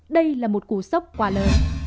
đây là một cú sốc quả lời